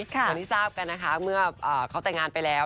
อย่างที่ทราบกันนะคะเมื่อเขาแต่งงานไปแล้ว